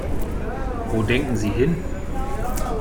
Wo denken Sie hin?